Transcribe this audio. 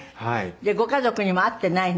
じゃあご家族にも会ってない？